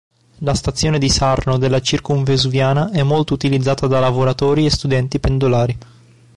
La stazione di Sarno della Circumvesuviana è molto utilizzata da lavoratori e studenti pendolari.